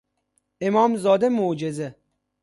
امام زاده معجزه